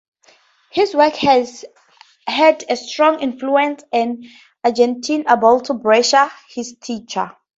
His work has had a strong influence on Argentine Alberto Breccia, his teacher.